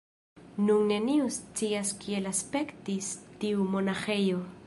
Nun neniu scias kiel aspektis tiu monaĥejo.